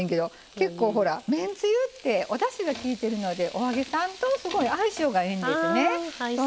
結構、めんつゆっておだしがきいてるのでお揚げさんとすごく相性がええんですね。